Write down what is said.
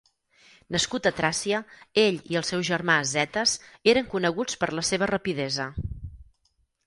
Nascut a Tràcia, ell i el seu germà Zetes eren coneguts per la seva rapidesa.